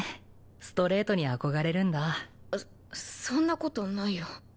ストレートに憧れるんだそんなことないよ